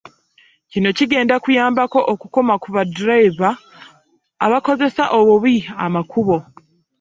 kino kigenda kuyambako okukoma ku baddereeva abakozesa obubi amakubo.